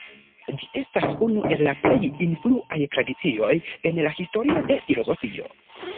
Ĝi estas unu el la plej influaj tradicioj en la historio de filozofio.